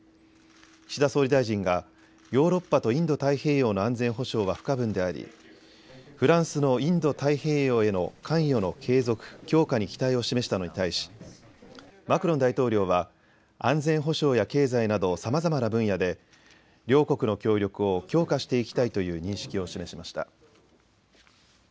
岸田総理大臣がヨーロッパとインド太平洋の安全保障は不可分でありフランスのインド太平洋への関与の継続・強化に期待を示したのに対しマクロン大統領は安全保障や経済などさまざまな分野で両国の協力を強化していきたいという認識を示しました。